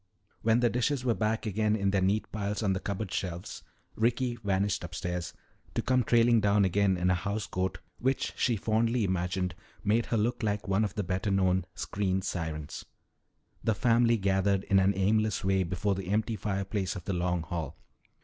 When the dishes were back again in their neat piles on the cupboard shelves, Ricky vanished upstairs, to come trailing down again in a house coat which she fondly imagined made her look like one of the better known screen sirens. The family gathered in an aimless way before the empty fireplace of the Long Hall.